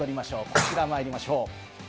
こちらまいりましょう。